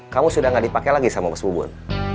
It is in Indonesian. kamu sudah gak dipake lagi sama bos bubun